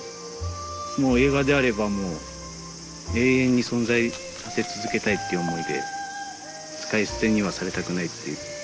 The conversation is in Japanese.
映画であればもう永遠に存在させ続けたいっていう思いで使い捨てにはされたくないっていう。